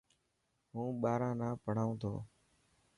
هون ٻاران نا پهڙائون ٿو.